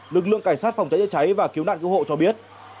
lực lượng cảnh sát phòng cháy chữa cháy và cứu nạn cứu hộ cho biết